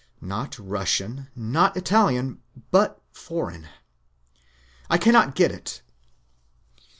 Not Russian, not Italian, but foreign. I ran not get it.